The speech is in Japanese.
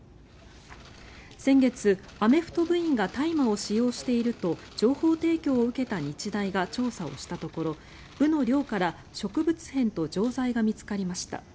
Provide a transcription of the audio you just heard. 先月、アメフト部員が大麻を使用していると情報提供を受けた日大が調査をしたところ部の寮から植物片と錠剤が見つかりました。